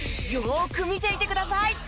よーく見ていてください！